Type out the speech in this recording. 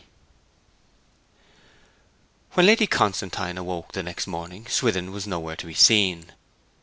XX When Lady Constantine awoke the next morning Swithin was nowhere to be seen.